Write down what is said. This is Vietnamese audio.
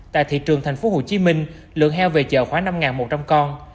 tại thị trường thành phố hồ chí minh lượng heo về chợ khoảng năm một trăm linh con